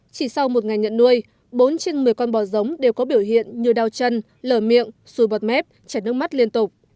từ ngày nhận nuôi bốn trên một mươi con bò giống đều có biểu hiện như đau chân lở miệng xùi bọt mép chảy nước mắt liên tục